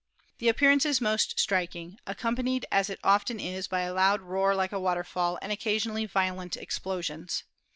The appearance is most striking, accom panied as it often is by a loud roar like a waterfall and occasionally violent explosions.